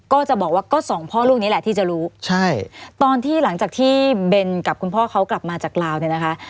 ก็จะบอกว่าก็สองพ่อลูกนี้แหละที่จะรู้ใช่ตอนที่หลังจากที่เบนกับคุณพ่อเขากลับมาจากลาวเนี่ยนะคะ